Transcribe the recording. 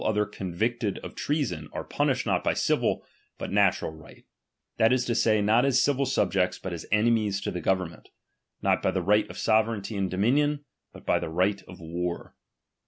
U others convicted of treason, are punished not [hlTriqhi o7,L fc>3 civil, but natural right ; that is to say, not as ^f„*'^'*^t''"f ^«^ xvil subjects, but as enemies to the government ;' ar ^ ot by the right of sovereignty and dominion, but fc»;j the right of war.